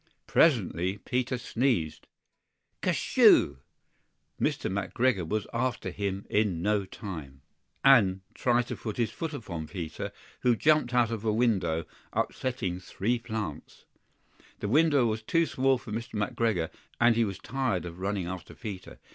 Presently Peter sneezed "Kertyschoo!" Mr. McGregor was after him in no time, AND tried to put his foot upon Peter, who jumped out of a window, upsetting three plants. The window was too small for Mr. McGregor, and he was tired of running after Peter.